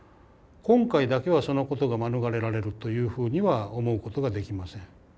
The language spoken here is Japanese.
今回だけはそのことが免れられるというふうには思うことができません。